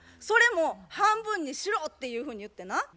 それも半分にしろ」っていうふうに言ってな。